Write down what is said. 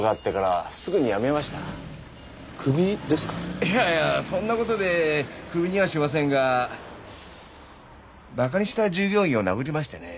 いやいやそんな事でクビにはしませんがバカにした従業員を殴りましてね。